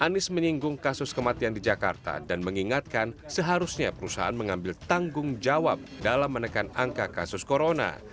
anies menyinggung kasus kematian di jakarta dan mengingatkan seharusnya perusahaan mengambil tanggung jawab dalam menekan angka kasus corona